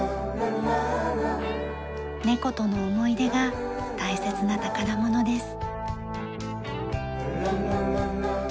猫との思い出が大切な宝物です。